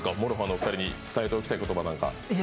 ＭＯＲＯＨＡのお二人に伝えておきたい言葉なんかは。